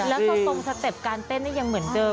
แล้วตรงสเต็ปการเต้นยังเหมือนเดิม